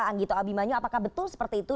anggito abimanyu apakah betul seperti itu